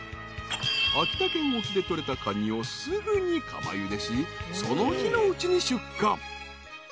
［秋田県沖で取れたカニをすぐに釜ゆでしその日のうちに出荷］